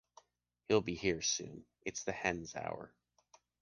He’ll be here soon... it’s the hen’s hour.